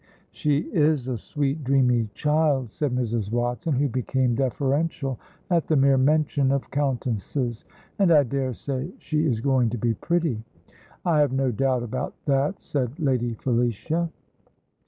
"She is a sweet, dreamy child," said Mrs. Watson, who became deferential at the mere mention of countesses, "and I dare say she is going to be pretty." "I have no doubt about that," said Lady Felicia.